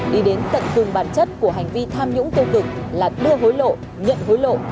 đi đến tận cùng bản chất của hành vi tham nhũng tiêu cực là đưa hối lộ nhận hối lộ